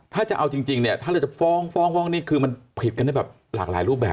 ถ้าจะเอาจริงเนี่ยถ้าเราจะฟ้องฟ้องนี่คือมันผิดกันได้แบบหลากหลายรูปแบบ